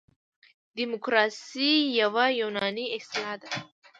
دموکراسي یوه یوناني اصطلاح ده.